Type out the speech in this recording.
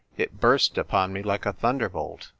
" It burst upon me like a thunderbolt.